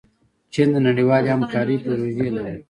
چین د نړیوالې همکارۍ پروژې لري.